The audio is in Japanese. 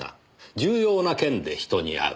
「重要な件で人に会う」